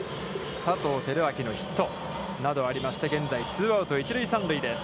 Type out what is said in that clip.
佐藤輝明のヒット。などありまして、現在ツーアウト、一塁三塁です。